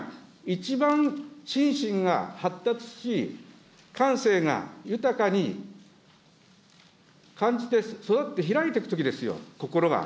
一番心身が発達し、感性が豊かに感じて育って開いていくときですよ、心が。